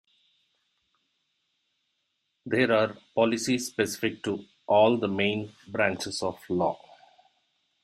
There are policies specific to all the main branches of law.